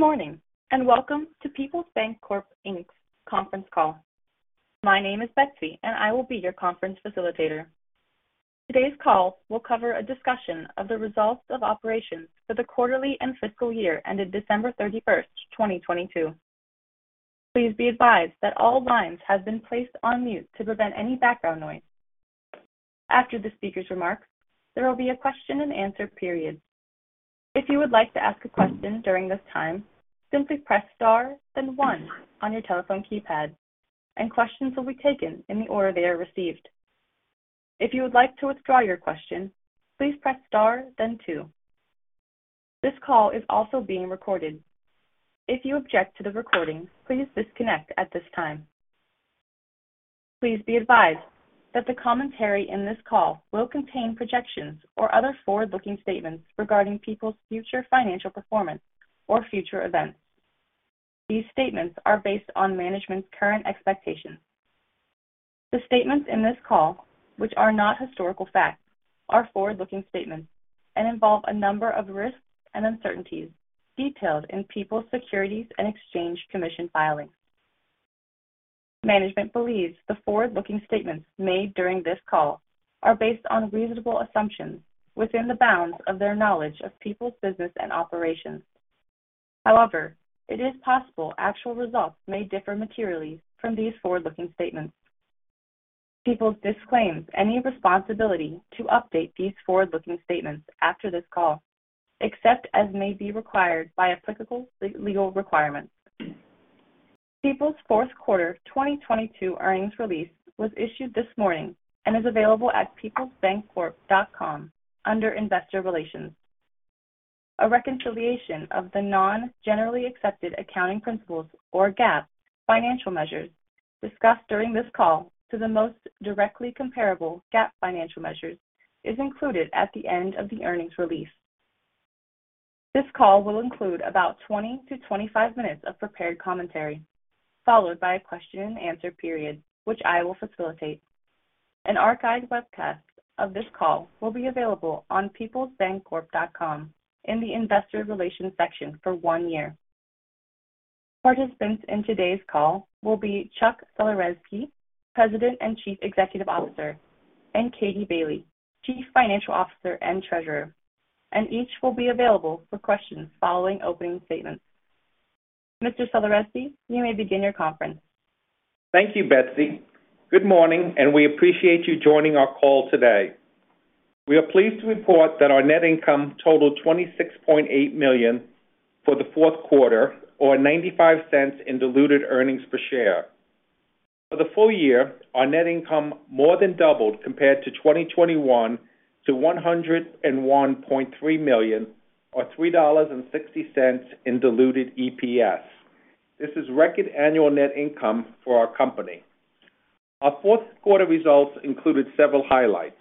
Good morning, and welcome to Peoples Bancorp Inc.'s conference call. My name is Betsy. I will be your conference facilitator. Today's call will cover a discussion of the results of operations for the quarterly and fiscal year ended December 31, 2022. Please be advised that all lines have been placed on mute to prevent any background noise. After the speaker's remarks, there will be a question-and-answer period. If you would like to ask a question during this time, simply press Star then 1 on your telephone keypad. Questions will be taken in the order they are received. If you would like to withdraw your question, please press Star then 2. This call is also being recorded. If you object to the recording, please disconnect at this time. Please be advised that the commentary in this call will contain projections or other forward-looking statements regarding Peoples' future financial performance or future events. These statements are based on management's current expectations. The statements in this call, which are not historical facts, are forward-looking statements and involve a number of risks and uncertainties detailed in Peoples' Securities and Exchange Commission filing. Management believes the forward-looking statements made during this call are based on reasonable assumptions within the bounds of their knowledge of Peoples' business and operations. It is possible actual results may differ materially from these forward-looking statements. Peoples disclaims any responsibility to update these forward-looking statements after this call, except as may be required by applicable legal requirements. Peoples' fourth quarter 2022 earnings release was issued this morning and is available at peoplesbancorp.com under Investor Relations. A reconciliation of the non-generally accepted accounting principles or GAAP financial measures discussed during this call to the most directly comparable GAAP financial measures is included at the end of the earnings release. This call will include about 20-25 minutes of prepared commentary, followed by a question-and-answer period, which I will facilitate. An archived webcast of this call will be available on peoplesbancorp.com in the Investor Relations section for 1 year. Participants in today's call will be Chuck Sulerzyski, President and Chief Executive Officer, and Kathryn Bailey, Chief Financial Officer and Treasurer, and each will be available for questions following opening statements. Mr. Sulerzyski, you may begin your conference. Thank you, Betsy. Good morning. We appreciate you joining our call today. We are pleased to report that our net income totaled $26.8 million for the fourth quarter or $0.95 in diluted earnings per share. For the full year, our net income more than doubled compared to 2021 to $101.3 million or $3.60 in diluted EPS. This is record annual net income for our company. Our fourth quarter results included several highlights.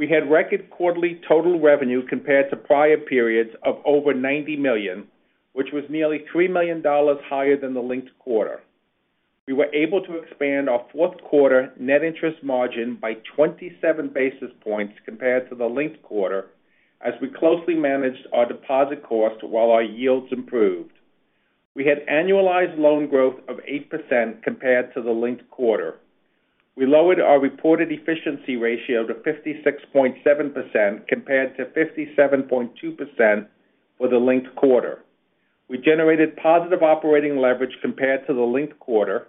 We had record quarterly total revenue compared to prior periods of over $90 million, which was nearly $3 million higher than the linked quarter. We were able to expand our fourth quarter Net Interest Margin by 27 basis points compared to the linked quarter as we closely managed our deposit cost while our yields improved. We had annualized loan growth of 8% compared to the linked quarter. We lowered our reported Efficiency Ratio to 56.7% compared to 57.2% for the linked quarter. We generated positive operating leverage compared to the linked quarter.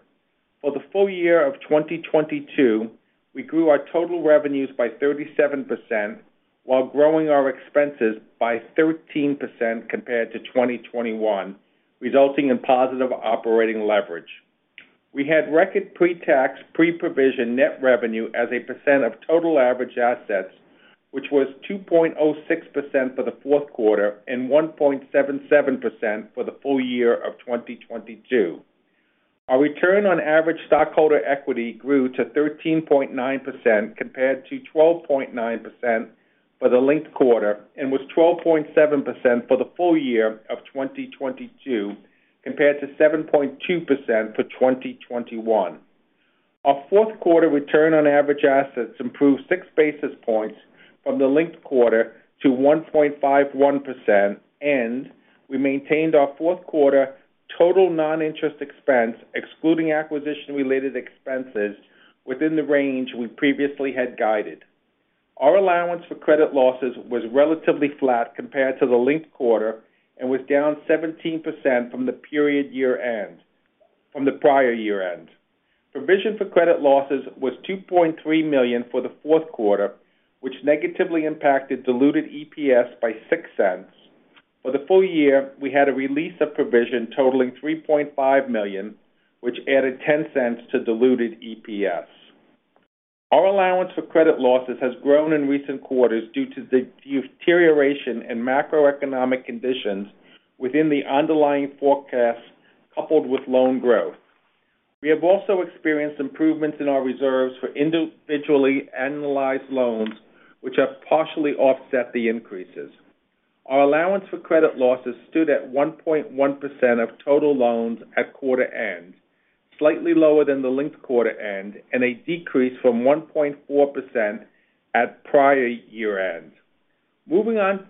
For the full year of 2022, we grew our total revenues by 37% while growing our expenses by 13% compared to 2021, resulting in positive operating leverage. We had record Pre-Tax, Pre-Provision Net Revenue as a % of total average assets, which was 2.06% for the fourth quarter and 1.77% for the full year of 2022. Our return on average stockholder equity grew to 13.9% compared to 12.9% for the linked quarter and was 12.7% for the full year of 2022 compared to 7.2% for 2021. Our fourth quarter return on average assets improved 6 basis points from the linked quarter to 1.51%, and we maintained our fourth quarter total non-interest expense, excluding acquisition-related expenses, within the range we previously had guided. Our Allowance for Credit Losses was relatively flat compared to the linked quarter and was down 17% from the period year-end from the prior year-end. Provision for credit losses was $2.3 million for the fourth quarter, which negatively impacted diluted EPS by $0.06. For the full year, we had a release of provision totaling $3.5 million, which added $0.10 to diluted EPS. Our Allowance for Credit Losses has grown in recent quarters due to the deterioration in macroeconomic conditions within the underlying forecast coupled with loan growth. We have also experienced improvements in our reserves for individually analyzed loans which have partially offset the increases. Our Allowance for Credit Losses stood at 1.1% of total loans at quarter end. Slightly lower than the linked quarter end and a decrease from 1.4% at prior year-end. Moving on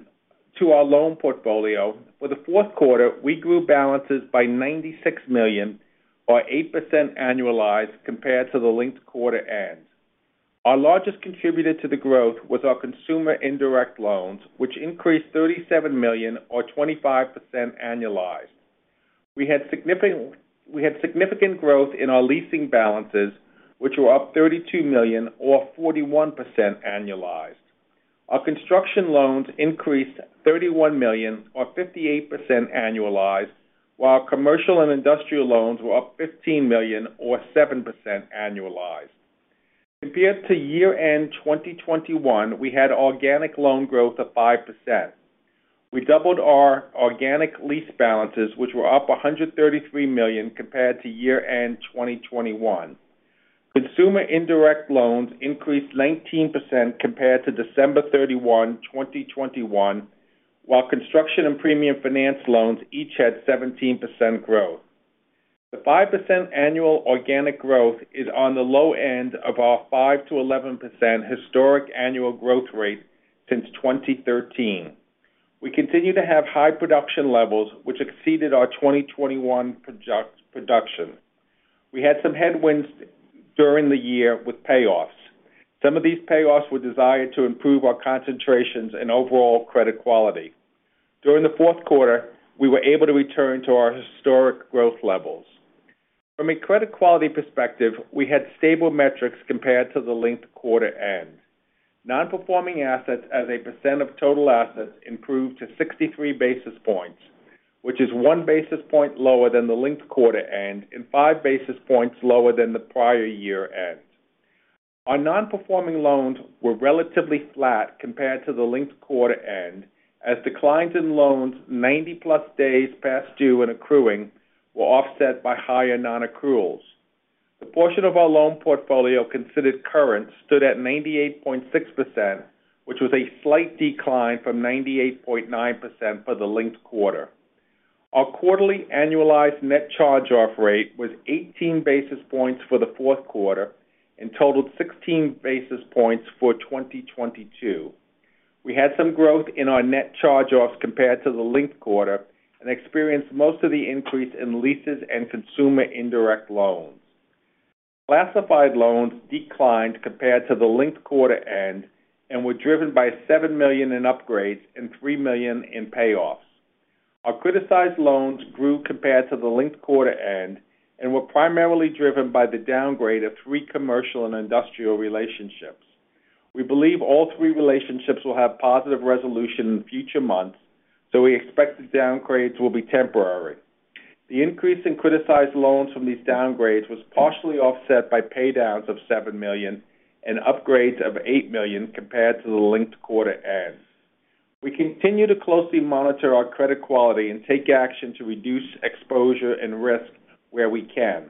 to our loan portfolio. For the fourth quarter, we grew balances by $96 million or 8% annualized compared to the linked quarter end. Our largest contributor to the growth was our consumer indirect loans, which increased $37 million or 25% annualized. We had significant growth in our leasing balances, which were up $32 million or 41% annualized. Our construction loans increased $31 million or 58% annualized, while commercial and industrial loans were up $15 million or 7% annualized. Compared to year-end 2021, we had organic loan growth of 5%. We doubled our organic lease balances, which were up $133 million compared to year-end 2021. Consumer indirect loans increased 19% compared to December 31, 2021, while construction and premium finance loans each had 17% growth. The 5% annual organic growth is on the low end of our 5%-11% historic annual growth rate since 2013. We continue to have high production levels, which exceeded our 2021 product-production. We had some headwinds during the year with payoffs. Some of these payoffs were desired to improve our concentrations and overall credit quality. During the fourth quarter, we were able to return to our historic growth levels. From a credit quality perspective, we had stable metrics compared to the linked quarter end. Non-performing assets as a % of total assets improved to 63 basis points, which is 1 basis point lower than the linked quarter end and 5 basis points lower than the prior year end. Our non-performing loans were relatively flat compared to the linked quarter end as declines in loans 90-plus days past due and accruing were offset by higher non-accruals. The portion of our loan portfolio considered current stood at 98.6%, which was a slight decline from 98.9% for the linked quarter. Our quarterly annualized net charge-off rate was 18 basis points for the fourth quarter and totaled 16 basis points for 2022. We had some growth in our net charge-offs compared to the linked quarter and experienced most of the increase in leases and consumer indirect loans. Classified loans declined compared to the linked quarter end and were driven by $7 million in upgrades and $3 million in payoffs. Our criticized loans grew compared to the linked quarter end and were primarily driven by the downgrade of three commercial and industrial relationships. We believe all three relationships will have positive resolution in future months. We expect the downgrades will be temporary. The increase in criticized loans from these downgrades was partially offset by pay downs of $7 million and upgrades of $8 million compared to the linked quarter end. We continue to closely monitor our credit quality and take action to reduce exposure and risk where we can.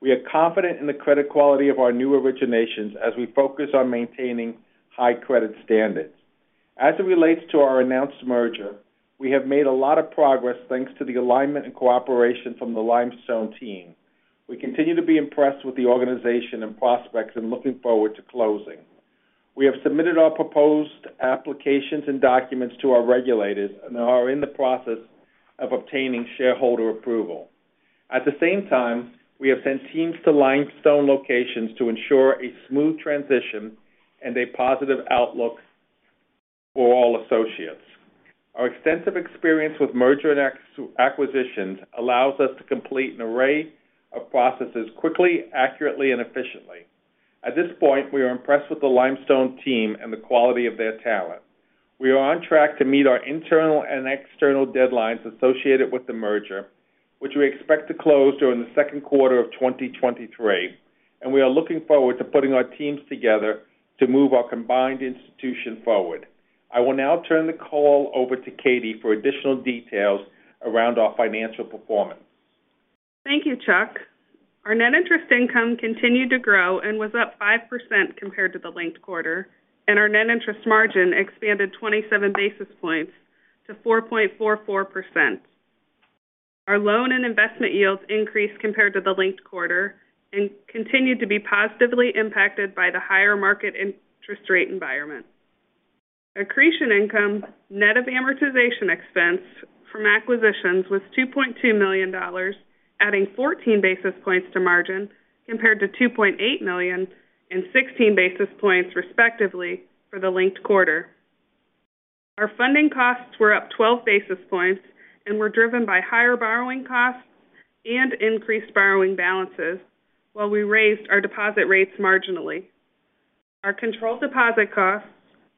We are confident in the credit quality of our new originations as we focus on maintaining high credit standards. As it relates to our announced merger, we have made a lot of progress thanks to the alignment and cooperation from the Limestone team. We continue to be impressed with the organization and prospects and looking forward to closing. We have submitted our proposed applications and documents to our regulators and are in the process of obtaining shareholder approval. At the same time, we have sent teams to Limestone locations to ensure a smooth transition and a positive outlook for all associates. Our extensive experience with merger and acquisitions allows us to complete an array of processes quickly, accurately, and efficiently. At this point, we are impressed with the Limestone team and the quality of their talent. We are on track to meet our internal and external deadlines associated with the merger, which we expect to close during the second quarter of 2023, and we are looking forward to putting our teams together to move our combined institution forward. I will now turn the call over to Katie for additional details around our financial performance. Thank you, Chuck. Our net interest income continued to grow and was up 5% compared to the linked quarter, and our Net Interest Margin expanded 27 basis points to 4.44%. Our loan and investment yields increased compared to the linked quarter and continued to be positively impacted by the higher market interest rate environment. Accretion income, net of amortization expense from acquisitions was $2.2 million, adding 14 basis points to margin compared to $2.8 million and 16 basis points, respectively, for the linked quarter. Our funding costs were up 12 basis points and were driven by higher borrowing costs and increased borrowing balances, while we raised our deposit rates marginally. Our controlled deposit costs,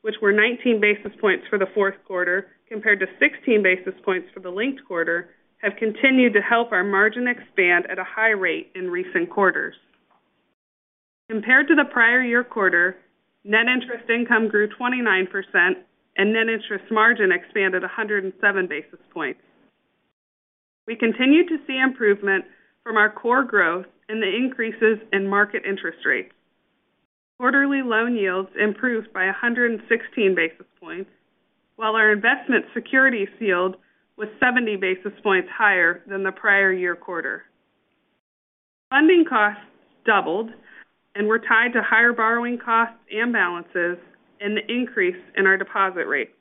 which were 19 basis points for the fourth quarter compared to 16 basis points for the linked quarter, have continued to help our margin expand at a high rate in recent quarters. Compared to the prior year quarter, net interest income grew 29% and net interest margin expanded 107 basis points. We continued to see improvement from our core growth and the increases in market interest rates. Quarterly loan yields improved by 116 basis points, while our investment securities yield was 70 basis points higher than the prior year quarter. Funding costs doubled and were tied to higher borrowing costs and balances and the increase in our deposit rate.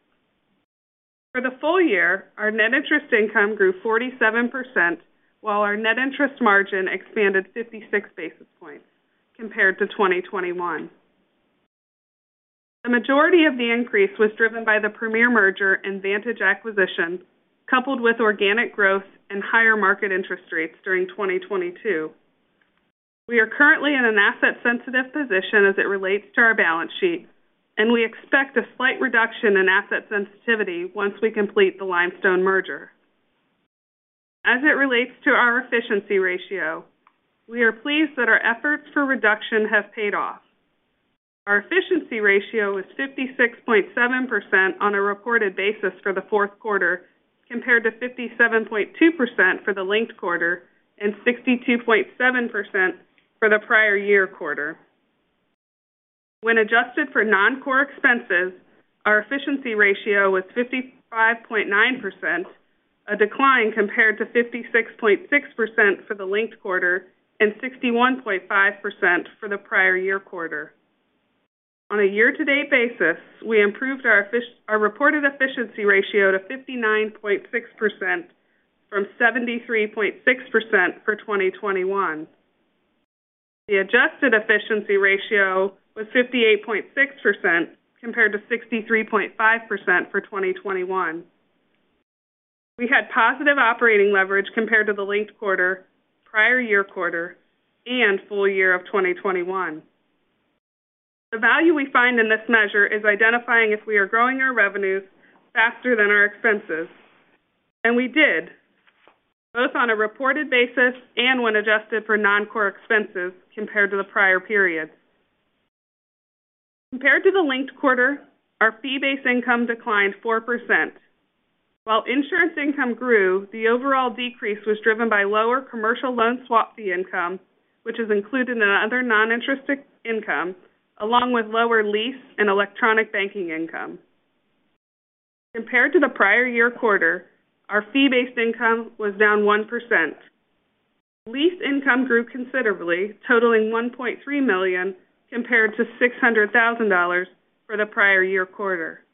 For the full year, our net interest income grew 47%, while our net interest margin expanded 56 basis points compared to 2021. The majority of the increase was driven by the Premier merger and Vantage acquisition, coupled with organic growth and higher market interest rates during 2022. We are currently in an asset sensitive position as it relates to our balance sheet, and we expect a slight reduction in asset sensitivity once we complete the Limestone merger. As it relates to our Efficiency Ratio, we are pleased that our efforts for reduction have paid off. Our Efficiency Ratio was 56.7% on a reported basis for the fourth quarter, compared to 57.2% for the linked quarter and 62.7% for the prior year quarter. When adjusted for non-core expenses, our Efficiency Ratio was 55.9%, a decline compared to 56.6% for the linked quarter and 61.5% for the prior year quarter. On a year-to-date basis, we improved our reported Efficiency Ratio to 59.6% from 73.6% for 2021. The adjusted Efficiency Ratio was 58.6% compared to 63.5% for 2021. We had positive operating leverage compared to the linked quarter, prior year quarter, and full year of 2021. The value we find in this measure is identifying if we are growing our revenues faster than our expenses. We did, both on a reported basis and when adjusted for non-core expenses compared to the prior period. Compared to the linked quarter, our fee-based income declined 4%. While insurance income grew, the overall decrease was driven by lower commercial loan swap fee income, which is included in other non-interest income, along with lower lease and electronic banking income. Compared to the prior year quarter, our fee-based income was down 1%. Lease income grew considerably, totaling $1.3 million, compared to $600,000 for the prior year quarter.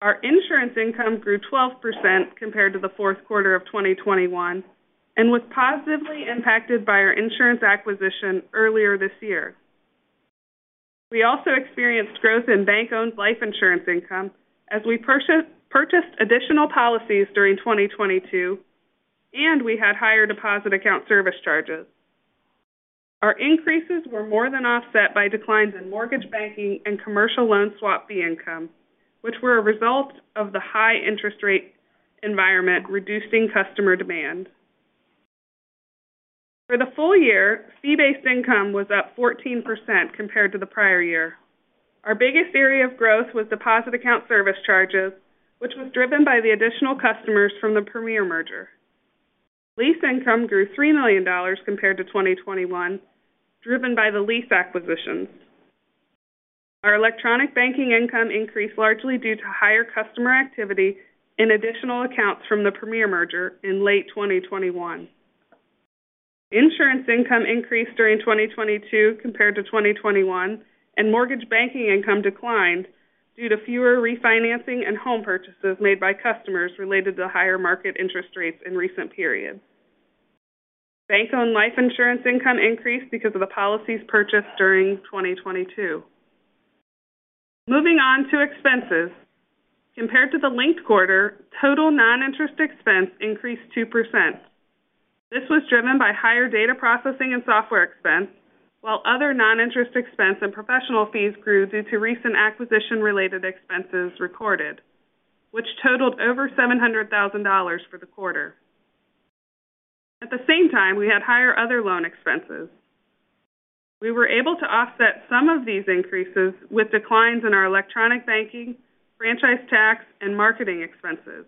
Our insurance income grew 12% compared to the fourth quarter of 2021 and was positively impacted by our insurance acquisition earlier this year. We also experienced growth in bank-owned life insurance income as we purchased additional policies during 2022. We had higher deposit account service charges. Our increases were more than offset by declines in mortgage banking and commercial loan swap fee income, which were a result of the high interest rate environment reducing customer demand. For the full year, fee-based income was up 14% compared to the prior year. Our biggest area of growth was deposit account service charges, which was driven by the additional customers from the Premier merger. Lease income grew $3 million compared to 2021, driven by the lease acquisitions. Our electronic banking income increased largely due to higher customer activity and additional accounts from the Premier merger in late 2021. Insurance income increased during 2022 compared to 2021, and mortgage banking income declined due to fewer refinancing and home purchases made by customers related to higher market interest rates in recent periods. Bank-owned life insurance income increased because of the policies purchased during 2022. Moving on to expenses. Compared to the linked quarter, total non-interest expense increased 2%. This was driven by higher data processing and software expense, while other non-interest expense and professional fees grew due to recent acquisition related expenses recorded, which totaled over $700,000 for the quarter. At the same time, we had higher other loan expenses. We were able to offset some of these increases with declines in our electronic banking, franchise tax, and marketing expenses.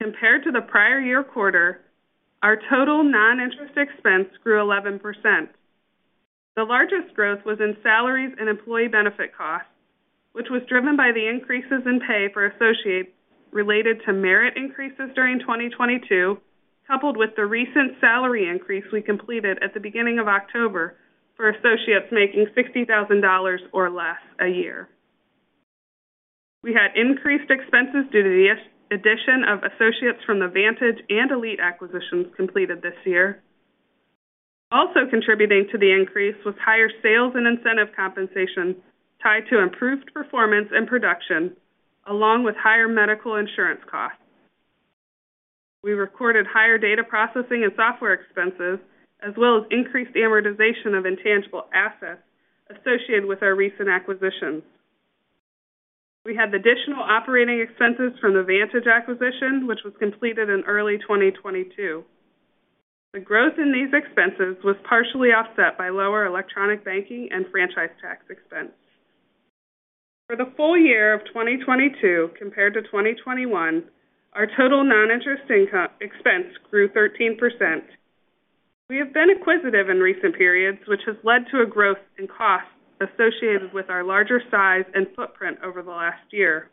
Compared to the prior year quarter, our total non-interest expense grew 11%. The largest growth was in salaries and employee benefit costs, which was driven by the increases in pay for associates related to merit increases during 2022, coupled with the recent salary increase we completed at the beginning of October for associates making $60,000 or less a year. We had increased expenses due to the addition of associates from the Vantage and Elite acquisitions completed this year. Also contributing to the increase was higher sales and incentive compensation tied to improved performance and production, along with higher medical insurance costs. We recorded higher data processing and software expenses, as well as increased amortization of intangible assets associated with our recent acquisitions. We had additional operating expenses from the Vantage acquisition, which was completed in early 2022. The growth in these expenses was partially offset by lower electronic banking and franchise tax expense. For the full year of 2022 compared to 2021, our total non-interest income-- expense grew 13%. We have been acquisitive in recent periods, which has led to a growth in cost associated with our larger size and footprint over the last year.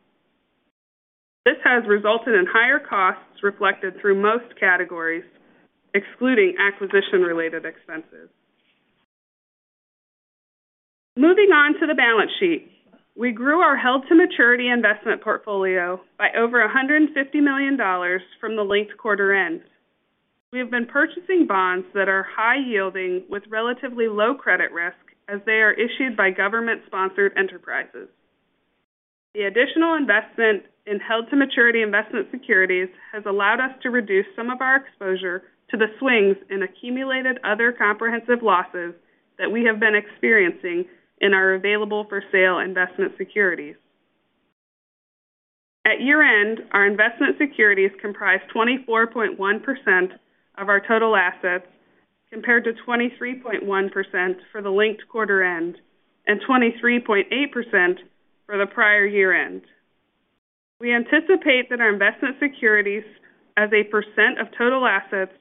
This has resulted in higher costs reflected through most categories, excluding acquisition-related expenses. Moving on to the balance sheet. We grew our Held-to-Maturity investment portfolio by over $150 million from the linked quarter ends. We have been purchasing bonds that are high yielding with relatively low credit risk as they are issued by Government-Sponsored Enterprises. The additional investment in Held-to-Maturity investment securities has allowed us to reduce some of our exposure to the swings in Accumulated Other Comprehensive Losses that we have been experiencing in our Available-for-Sale investment securities. At year-end, our investment securities comprised 24.1% of our total assets, compared to 23.1% for the linked quarter end and 23.8% for the prior year-end. We anticipate that our investment securities as a % of total assets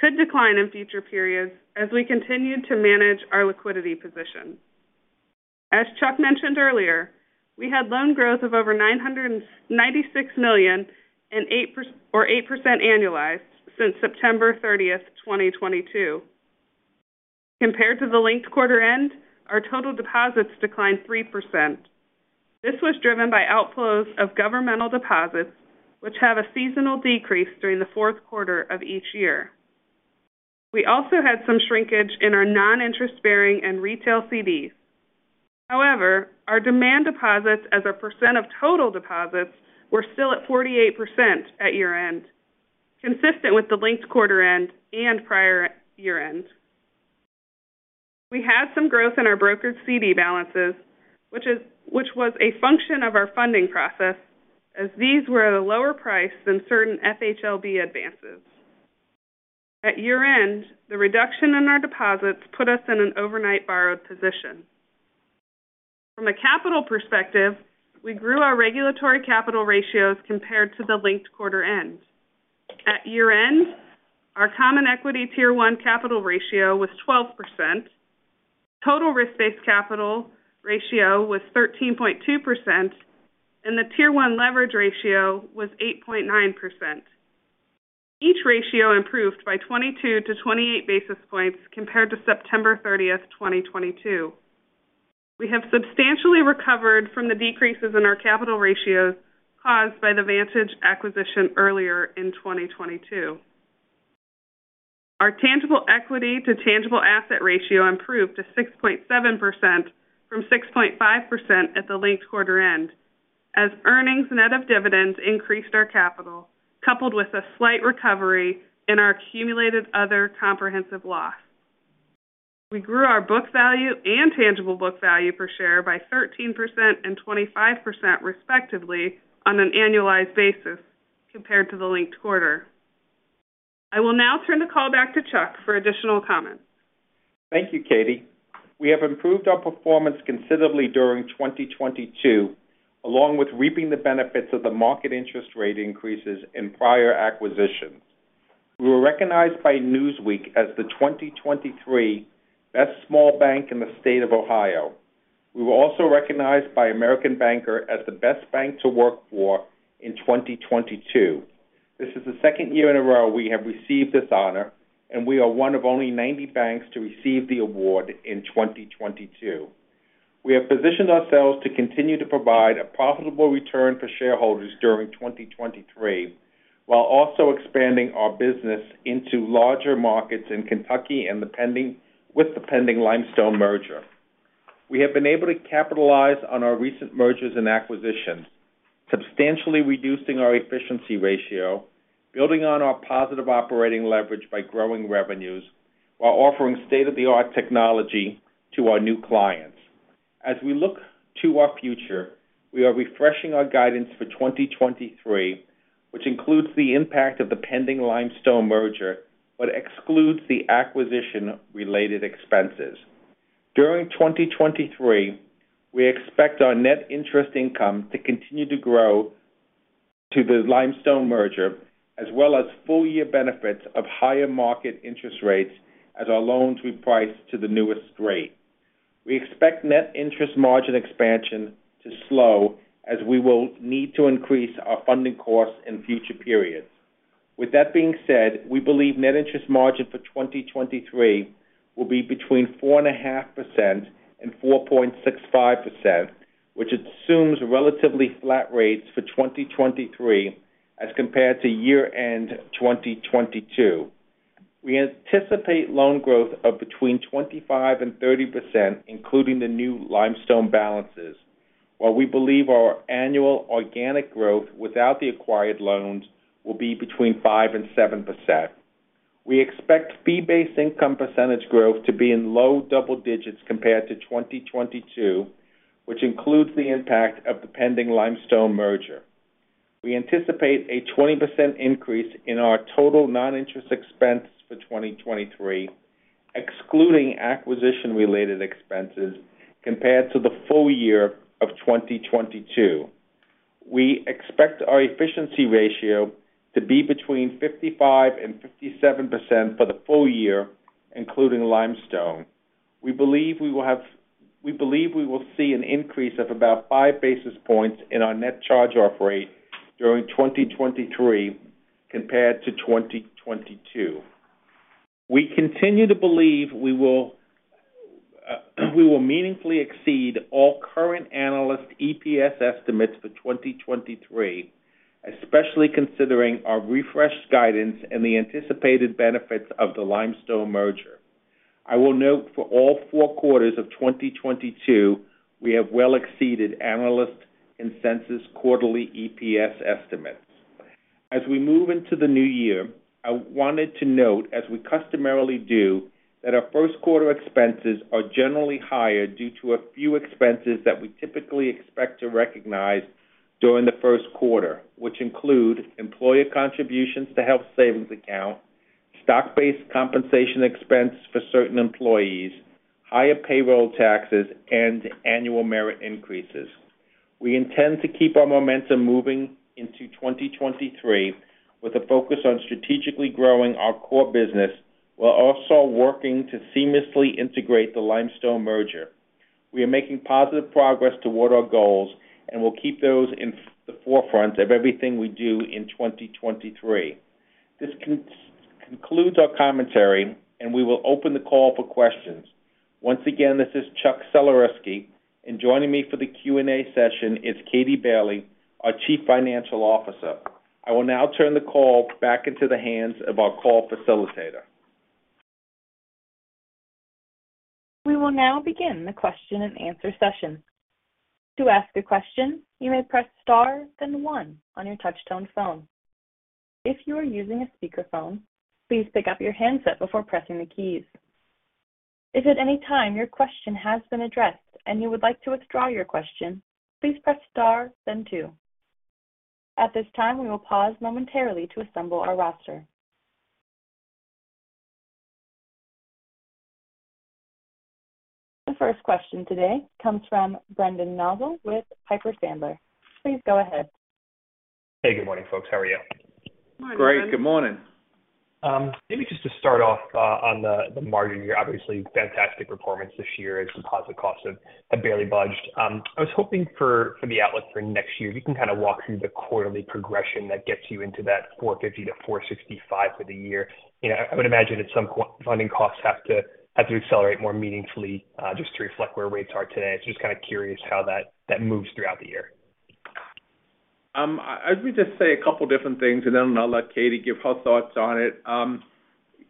could decline in future periods as we continue to manage our liquidity position. As Chuck mentioned earlier, we had loan growth of over $996 million and 8% annualized since September 30, 2022. Compared to the linked quarter end, our total deposits declined 3%. This was driven by outflows of governmental deposits, which have a seasonal decrease during the fourth quarter of each year. We also had some shrinkage in our non-interest bearing and retail CDs. Our demand deposits as a percent of total deposits were still at 48% at year-end, consistent with the linked quarter end and prior year-end. We had some growth in our brokered CD balances, which was a function of our funding process as these were at a lower price than certain FHLB advances. At year-end, the reduction in our deposits put us in an overnight borrowed position. From a capital perspective, we grew our regulatory capital ratios compared to the linked quarter end. At year-end, our Common Equity Tier 1 capital ratio was 12%, Total Risk-Based Capital Ratio was 13.2%, and the Tier 1 Leverage Ratio was 8.9%. Each ratio improved by 22-28 basis points compared to September 30th, 2022. We have substantially recovered from the decreases in our capital ratios caused by the Vantage acquisition earlier in 2022. Our Tangible Equity to Tangible Asset Ratio improved to 6.7% from 6.5% at the linked quarter end as earnings net of dividends increased our capital, coupled with a slight recovery in our Accumulated Other Comprehensive Loss. We grew our book value and tangible book value per share by 13% and 25% respectively on an annualized basis compared to the linked quarter. I will now turn the call back to Chuck for additional comments. Thank you, Katie. We have improved our performance considerably during 2022, along with reaping the benefits of the market interest rate increases in prior acquisitions. We were recognized by Newsweek as the 2023 best small bank in the state of Ohio. We were also recognized by American Banker as the best bank to work for in 2022. This is the second year in a row we have received this honor. We are one of only 90 banks to receive the award in 2022. We have positioned ourselves to continue to provide a profitable return for shareholders during 2023 while also expanding our business into larger markets in Kentucky with the pending Limestone merger. We have been able to capitalize on our recent mergers and acquisitions, substantially reducing our Efficiency Ratio, building on our positive operating leverage by growing revenues while offering state-of-the-art technology to our new clients. As we look to our future, we are refreshing our guidance for 2023, which includes the impact of the pending Limestone merger, but excludes the acquisition related expenses. During 2023, we expect our Net Interest Income to continue to grow to the Limestone merger, as well as full year benefits of higher market interest rates as our loans reprice to the newest rate. We expect Net Interest Margin expansion to slow as we will need to increase our funding costs in future periods. With that being said, we believe net interest margin for 2023 will be between 4.5% and 4.65%, which assumes relatively flat rates for 2023 as compared to year end 2022. We anticipate loan growth of between 25% and 30%, including the new Limestone balances, while we believe our annual organic growth without the acquired loans will be between 5% and 7%. We expect fee-based income percentage growth to be in low double digits compared to 2022, which includes the impact of the pending Limestone merger. We anticipate a 20% increase in our total non-interest expense for 2023, excluding acquisition related expenses compared to the full year of 2022. We expect our Efficiency Ratio to be between 55% and 57% for the full year, including Limestone. We believe we will see an increase of about 5 basis points in our net charge off rate during 2023 compared to 2022. We continue to believe we will meaningfully exceed all current analyst EPS estimates for 2023, especially considering our refreshed guidance and the anticipated benefits of the Limestone merger. I will note for all 4 quarters of 2022, we have well exceeded analyst consensus quarterly EPS estimates. As we move into the new year, I wanted to note as we customarily do, that our first quarter expenses are generally higher due to a few expenses that we typically expect to recognize during the first quarter, which include employee contributions to health savings account, stock-based compensation expense for certain employees, higher payroll taxes, and annual merit increases. We intend to keep our momentum moving into 2023 with a focus on strategically growing our core business, while also working to seamlessly integrate the Limestone merger. We are making positive progress toward our goals, We will keep those in the forefront of everything we do in 2023. This concludes our commentary, We will open the call for questions. Once again, this is Chuck Sulerzyski. Joining me for the Q&A session is Kathryn Bailey, our Chief Financial Officer. I will now turn the call back into the hands of our call facilitator. We will now begin the question and answer session. To ask a question, you may press star, then one on your touch tone phone. If you are using a speakerphone, please pick up your handset before pressing the keys. If at any time your question has been addressed and you would like to withdraw your question, please press star then two. At this time, we will pause momentarily to assemble our roster. The first question today comes from Brendan Nosal with Piper Sandler. Please go ahead. Hey, good morning, folks. How are you? Great. Good morning. Maybe just to start off on the margin here. Obviously fantastic performance this year as deposit costs have barely budged. I was hoping for the outlook for next year. You can kind of walk through the quarterly progression that gets you into that 4.50%-4.65% for the year. You know, I would imagine that some funding costs have to accelerate more meaningfully, just to reflect where rates are today. Just kind of curious how that moves throughout the year. I would just say a couple different things and then I'll let Katie give her thoughts on it.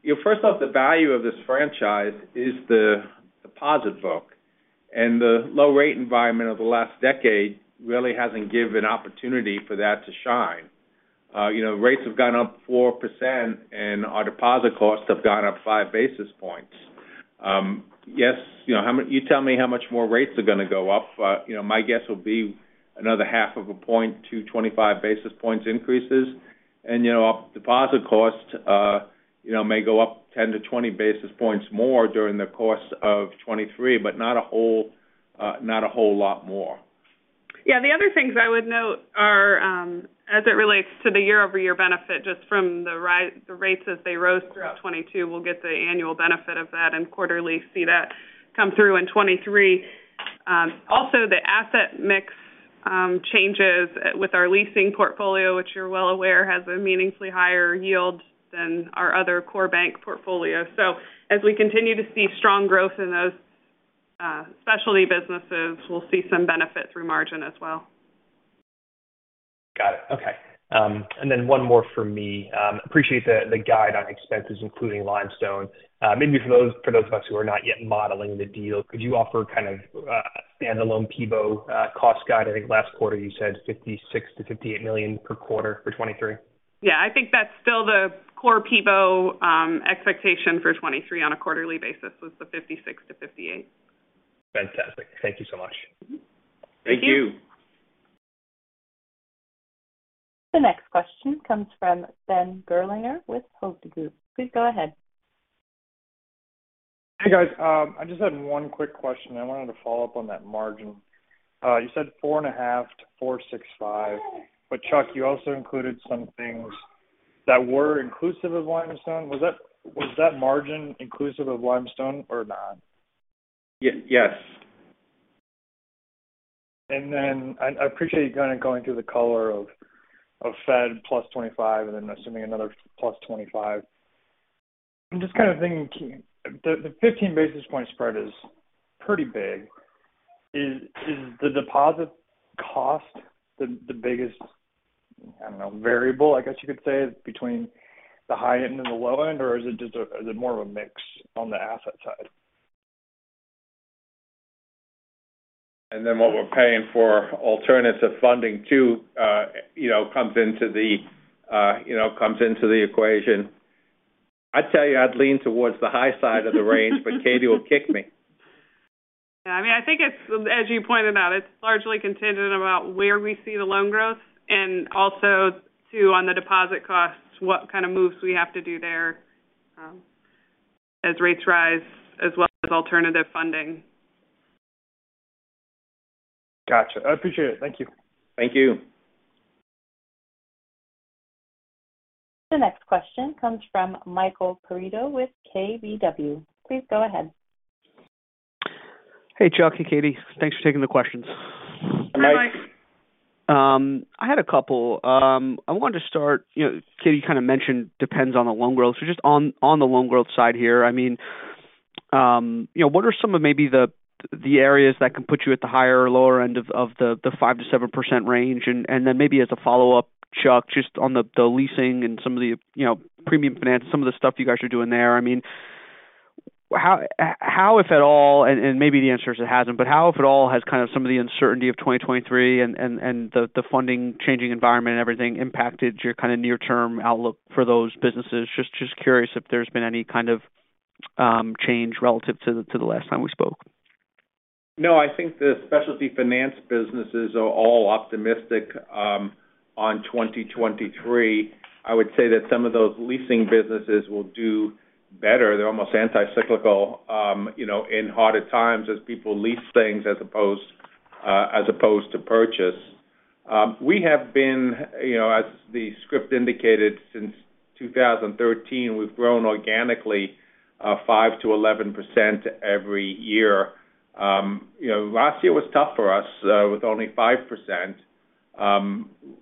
You know, first off, the value of this franchise is the deposit book. The low rate environment of the last decade really hasn't given opportunity for that to shine. You know, rates have gone up 4% and our deposit costs have gone up 5 basis points. Yes, you know, you tell me how much more rates are gonna go up. You know, my guess would be another half of a point to 25 basis points increases. You know, deposit costs, you know, may go up 10-20 basis points more during the course of 2023, but not a whole, not a whole lot more. Yeah, the other things I would note are, as it relates to the year-over-year benefit, just from the rates as they rose throughout 22, we will get the annual benefit of that and quarterly see that come through in 23. Also the asset mix changes with our leasing portfolio, which you're well aware has a meaningfully higher yield than our other core bank portfolio. As we continue to see strong growth in those specialty businesses, we'll see some benefit through margin as well. Got it. Okay. One more from me. Appreciate the guide on expenses, including Limestone. Maybe for those for those of us who are not yet modeling the deal, could you offer kind of a standalone PEBO cost guide? I think last quarter you said $56 million-$58 million per quarter for 2023. Yeah, I think that is still the core PIBO, expectation for 2023 on a quarterly basis was the 56-58. Fantastic. Thank you so much. Mm-hmm. Thank you. The next question comes from Ben Gerlinger with Hovde Group. Please go ahead. Hey, guys. I just had one quick question. I wanted to follow up on that margin. You said 4.5%-4.65%. Chuck, you also included some things that were inclusive of Limestone. Was that margin inclusive of Limestone or not? Ye-yes. I appreciate you kind of going through the color of Fed +25 and then assuming another +25. I'm just kind of thinking, the 15 basis point spread is pretty big. Is the deposit cost the biggest, I don't know variable, I guess you could say, between the high end and the low end? Or is it more of a mix on the asset side? What we are paying for alternative funding too you know, comes into the, you know, comes into the equation. I'd tell you I'd lean towards the high side of the range, Katie will kick me. Yeah, I mean, I think it's, as you pointed out, it's largely contingent about where we see the loan growth and also too on the deposit costs, what kind of moves we have to do there, as rates rise as well as alternative funding. Gotcha. I appreciate it. Thank you. Thank you. The next question comes from Michael Perito with KBW. Please go ahead. Hey, Chuck and Katie. Thanks for taking the questions. Hey, Mike. Hey, Mike. I had a couple. I wanted to start, you know, Katie kind of mentioned depends on the loan growth. Just on the loan growth side here, I mean, you know, what are some of maybe the areas that can put you at the higher or lower end of the 5%-7% range? Then maybe as a follow-up, Chuck, just on the leasing and some of the, you know, premium finance, some of the stuff you guys are doing there. I mean, how, if at all, and maybe the answer is it hasn't, but how if at all, has kind of some of the uncertainty of 2023 and, and the funding changing environment and everything impacted your kind of near-term outlook for those businesses? Just curious if there is been any kind of change relative to the last time we spoke? No I think the specialty finance businesses are all optimistic on 2023. I would say that some of those leasing businesses will do better. They're almost anti-cyclical, you know, in harder times as people lease things as opposed as opposed to purchase. We have been, you know, as the script indicated, since 2013, we've grown organically 5%-11% every year. You know, last year was tough for us with only 5%.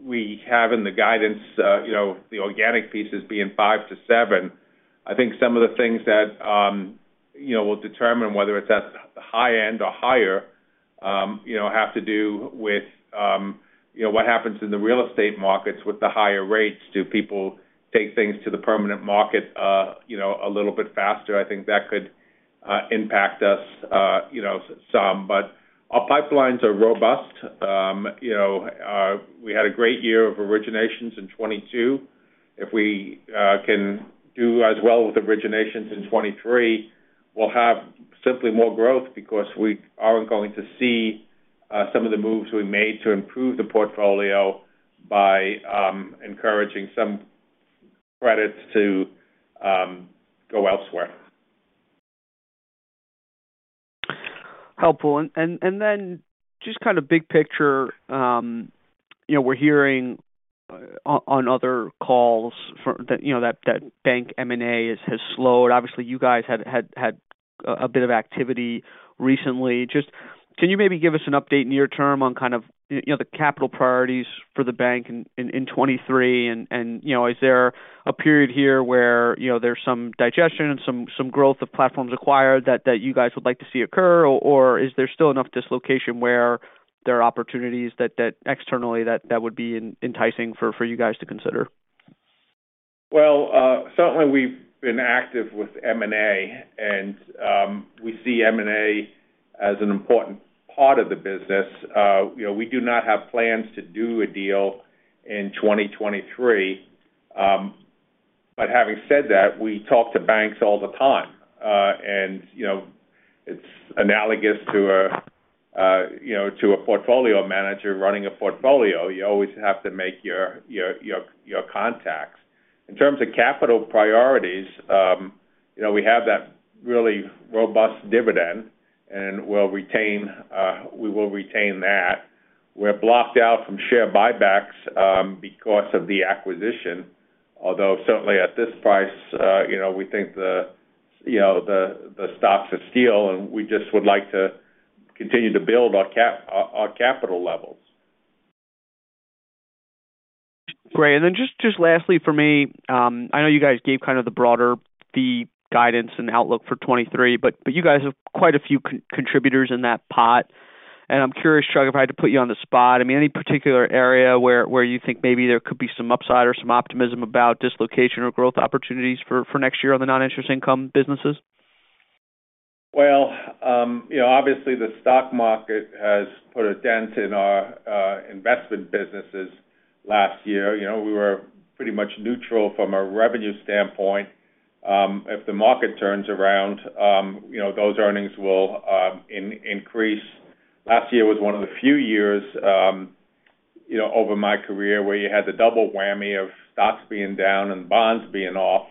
We have in the guidance, you know, the organic pieces being 5%-7%. I think some of the things that, you know will determine whether it's at the high end or higher, you know, have to do with, you know, what happens in the real estate markets with the higher rates. Do people take things to the permanent market, you know, a little bit faster? I think that could impact us, you know, some. Our pipelines are robust. You know, we had a great year of originations in 22. If we can do as well with originations in 23, we'll have simply more growth because we are going to see some of the moves we made to improve the portfolio by encouraging some credits to go elsewhere. Helpful. Then just kind of big picture, you know we are hearing on other calls for... that, you know, that bank M&A has slowed. Obviously, you guys had a bit of activity recently. Just can you maybe give us an update near term on kind of, you know, the capital priorities for the bank in 23? You know, is there a period here where, you know, there is some digestion and some growth of platforms acquired that you guys would like to see occur? Is there still enough dislocation where there are opportunities that externally that would be enticing for you guys to consider? Well, certainly we have been active with M&A. We see M&A as an important part of the business. You know, we do not have plans to do a deal in 2023. Having said that, we talk to banks all the time. You know, it's analogous to a, you know, to a portfolio manager running a portfolio. You always have to make your contacts. In terms of capital priorities, you know, we have that really robust dividend, and we will retain, we will retain that. We are blocked out from share buybacks because of the acquisition. Although certainly at this price, you know, we think the, you know, the stocks are steal, and we just would like to continue to build our capital levels. Great. Just lastly for me, I know you guys gave kind of the broader fee guidance and outlook for 23, but you guys have quite a few contributors in that pot. I'm curious, Chuck, if I had to put you on the spot, I mean, any particular area where you think maybe there could be some upside or some optimism about dislocation or growth opportunities for next year on the non-interest income businesses? You know obviously the stock market has put a dent in our investment businesses last year. You know, we were pretty much neutral from a revenue standpoint. If the market turns around, you know, those earnings will increase. Last year was one of the few years, you know, over my career where you had the double whammy of stocks being down and bonds being off.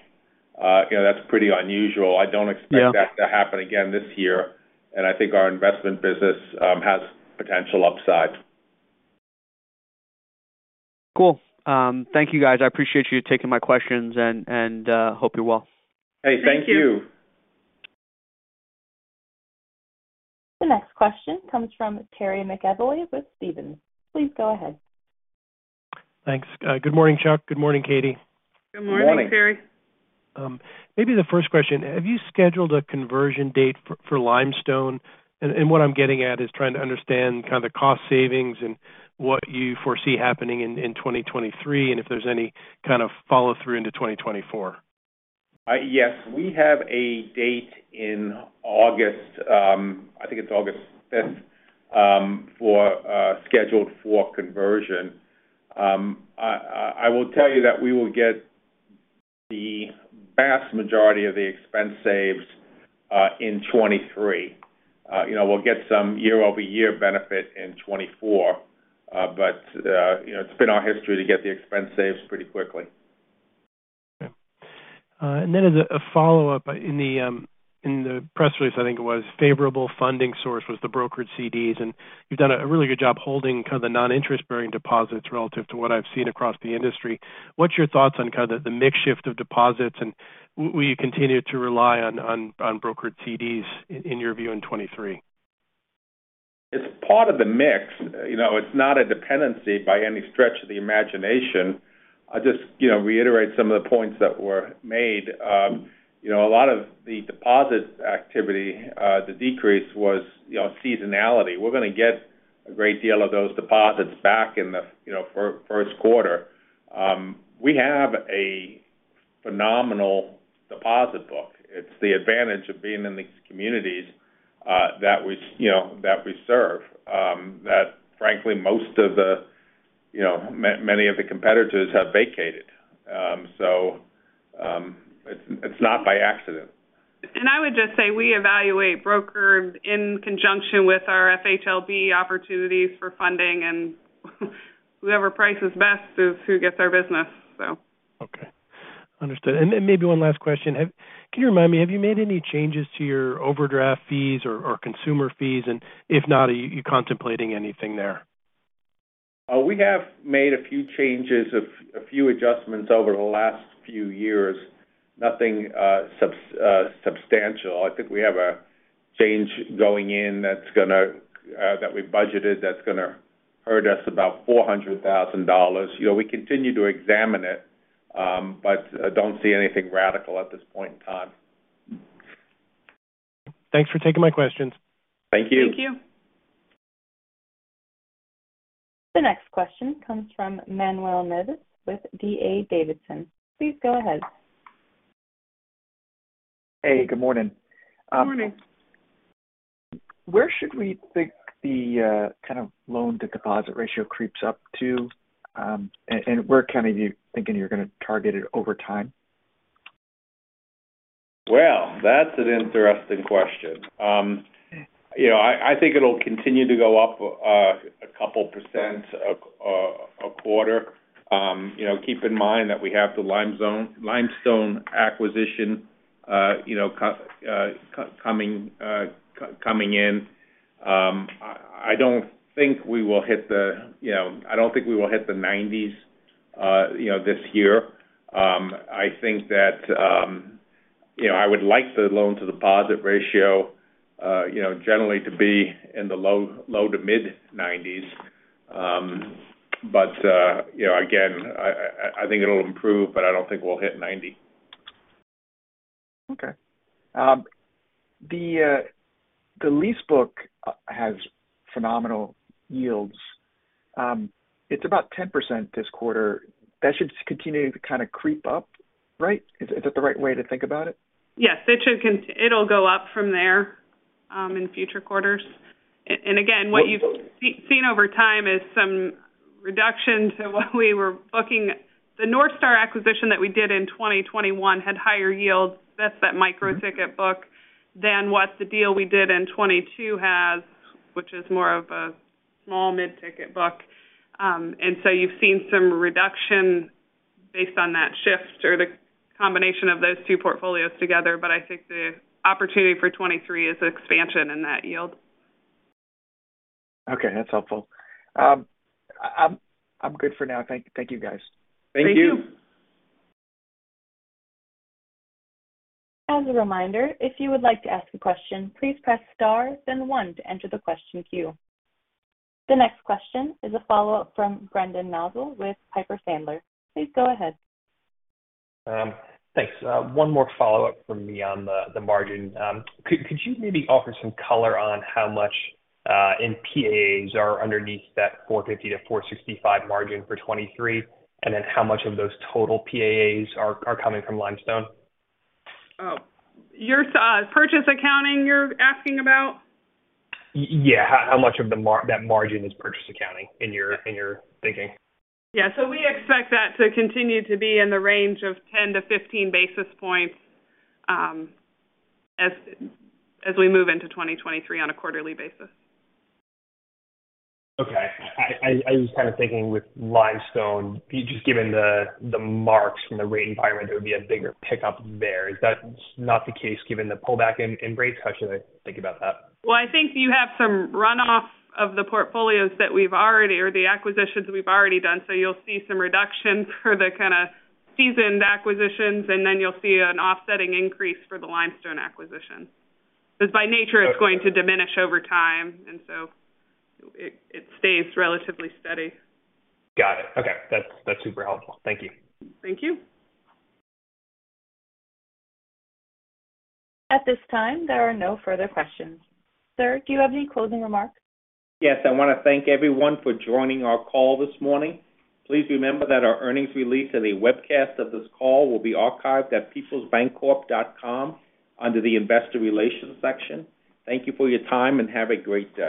You know, that's pretty unusual. Yeah. I don't expect that to happen again this year. I think our investment business, has potential upside. Cool. Thank you, guys. I appreciate you taking my questions and hope you're well. Hey, thank you. The next question comes from Terry McEvoy with Stephens. Please go ahead. Thanks. Good morning, Chuck. Good morning, Katie. Good morning, Terry. Morning. Maybe the first question. Have you scheduled a conversion date for Limestone? What I'm getting at is trying to understand kind of the cost savings and what you foresee happening in 2023, and if there's any kind of follow-through into 2024. Yes, we have a date in August, I think it's August 5th, for scheduled for conversion. I will tell you that we will get the vast majority of the expense saves in 2023. You know, we'll get some year-over-year benefit in 2024. You know, it's been our history to get the expense saves pretty quickly. Okay. As a follow-up in the press release, I think it was favorable funding source was the brokered CDs, and you've done a really good job holding kind of the non-interest-bearing deposits relative to what I've seen across the industry. What's your thoughts on kind of the mix shift of deposits, and will you continue to rely on brokered CDs in your view in 23? It's part of the mix. You know, it's not a dependency by any stretch of the imagination. I just, you know, reiterate some of the points that were made. You know, a lot of the deposit activity, the decrease was, you know, seasonality. We're gonna get a great deal of those deposits back in the, you know, first quarter. We have a phenomenal deposit book. It's the advantage of being in these communities, that we, you know, that we serve, that frankly, most of the, you know, many of the competitors have vacated. It's not by accident. I would just say we evaluate brokers in conjunction with our FHLB opportunities for funding, and whoever prices best is who gets our business, so. Okay. Understood. Then maybe one last question. Can you remind me, have you made any changes to your overdraft fees or consumer fees? If not, are you contemplating anything there? we have made a few changes, a few adjustments over the last few years. Nothing substantial. I think we have a change going in that we budgeted that's gonna hurt us about $400,000. You know, we continue to examine it, but I don't see anything radical at this point in time. Thanks for taking my questions. Thank you. Thank you. The next question comes from Manuel Navas with D.A. Davidson. Please go ahead. Hey, good morning. Good morning. Where should we think the kind of loan to deposit ratio creeps up to? Where kind of are you thinking you're gonna target it over time? Well, that's an interesting question. You know, I think it'll continue to go up a couple % a quarter. You know, keep in mind that we have the Limestone acquisition, you know, coming in. I don't think we will hit the 90s, you know, this year. I think that, you know, I would like the loans to deposit ratio, you know, generally to be in the low, low to mid-90s. You know, again, I think it'll improve, but I don't think we'll hit 90. Okay. The lease book has phenomenal yields. It's about 10% this quarter. That should continue to kinda creep up, right? Is that the right way to think about it? It'll go up from there in future quarters. Again, what you've seen over time is some reduction to what we were booking. The North Star acquisition that we did in 2021 had higher yields. That's that micro-ticket book than what the deal we did in 2022 has, which is more of a small mid-ticket book. You have seen some reduction based on that shift or the combination of those two portfolios together. I think the opportunity for 2023 is expansion in that yield. Okay, that's helpful. I'm good for now. Thank you, guys. Thank you. Thank you. As a reminder, if you would like to ask a question, please press star then one to enter the question queue. The next question is a follow-up from Brendan Nosal with Piper Sandler. Please go ahead. Thanks. One more follow-up from me on the margin. Could you maybe offer some color on how much in PAAs are underneath that 450-465 margin for 2023? How much of those total PAAs are coming from Limestone? Oh, your purchase accounting you're asking about? Yeah. How much of that margin is purchase accounting in your, in your thinking? We expect that to continue to be in the range of 10-15 basis points, as we move into 2023 on a quarterly basis. Okay. I was kinda thinking with Limestone, just given the marks from the rate environment, there would be a bigger pickup there. Is that not the case given the pullback in rates? How should I think about that? I think you have some runoff of the portfolios that we've already or the acquisitions we've already done. You'll see some reduction for the kinda seasoned acquisitions, and then you'll see an offsetting increase for the Limestone acquisition. By nature, it's going to diminish over time. It stays relatively steady. Got it. Okay. That's super helpful. Thank you. Thank you. At this time, there are no further questions. Sir, do you have any closing remarks? Yes. I wanna thank everyone for joining our call this morning. Please remember that our earnings release and a webcast of this call will be archived at peoplesbancorp.com under the Investor Relations section. Thank you for your time, and have a great day.